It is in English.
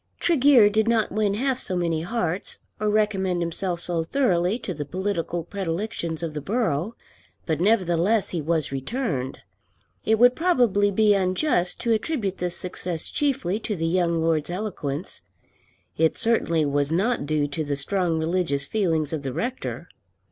Tregear did not win half so many hearts, or recommend himself so thoroughly to the political predilections of the borough; but nevertheless he was returned. It would probably be unjust to attribute this success chiefly to the young Lord's eloquence. It certainly was not due to the strong religious feelings of the rector.